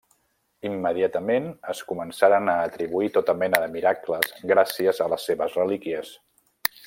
Immediatament es començaren a atribuir tota mena de miracles gràcies a les seves relíquies.